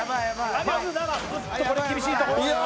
これは厳しいところ。